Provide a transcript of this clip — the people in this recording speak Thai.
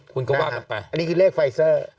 คุณก็ว่ากันไปอันนี้คือเลขไฟเซอร์